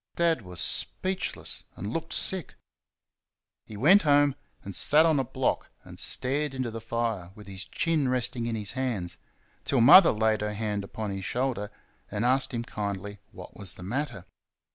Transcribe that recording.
Dad was speechless, and looked sick. He went home and sat on a block and stared into the fire with his chin resting in his hands, till Mother laid her hand upon his shoulder and asked him kindly what was the matter.